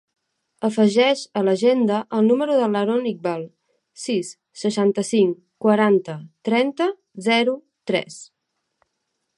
Afegeix a l'agenda el número de l'Haron Iqbal: sis, seixanta-cinc, quaranta, trenta, zero, tres.